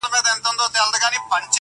خو دې به سمعې څو دانې بلــــي كړې,